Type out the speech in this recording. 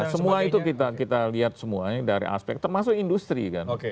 semua itu kita lihat semuanya dari aspek termasuk industri kan